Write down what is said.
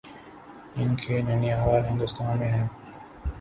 ان کے ننھیال ہندوستان میں ہیں۔